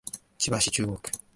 千葉市中央区